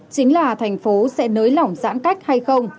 chính là thành phố sẽ nới lỏng giãn cách hay không